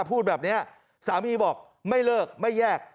พูดแบบนี้สามีบอกไม่เลิกไม่แยก